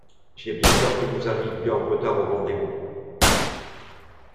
J'ai bien peur que nous arrivions en retard au rendez-vous.